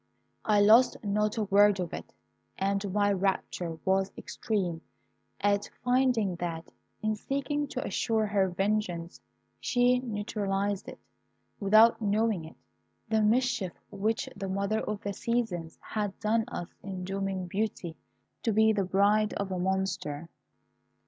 I lost not a word of it, and my rapture was extreme at finding that, in seeking to assure her vengeance, she neutralized, without knowing it, the mischief which the Mother of the Seasons had done us in dooming Beauty to be the bride of a monster.